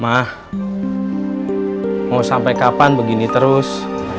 mah mau sampai kapan begini terus